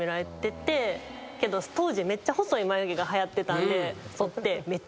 けど当時めっちゃ細い眉毛がはやってたんで。